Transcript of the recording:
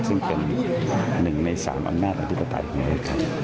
ซึ่งเป็น๑ใน๓อำนักอธิบไฟร์